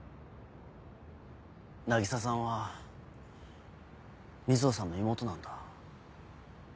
凪沙さんは水帆さんの妹なんだ。